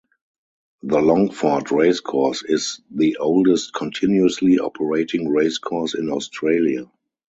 The Longford Racecourse is the oldest continuously operating racecourse in Australia.